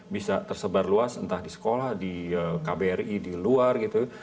bisa tersebar luas entah di sekolah di kbri di luar gitu